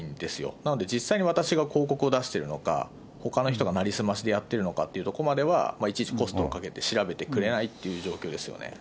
なので、実際に私が広告を出してるのか、ほかの人が成り済ましでやっているのかというところまでは、いちいちコストをかけてまで調べてくれないっていう状況ですよね。